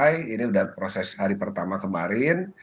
ini sudah proses hari pertama kemarin